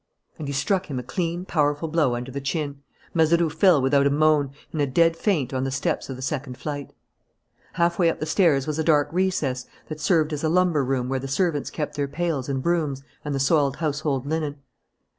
And he struck him a clean, powerful blow under the chin. Mazeroux fell without a moan, in a dead faint on the steps of the second flight. Halfway up the stairs was a dark recess that served as a lumber room where the servants kept their pails and brooms and the soiled household linen.